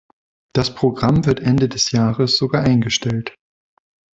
Das Programm wird Ende diesen Jahres sogar eingestellt.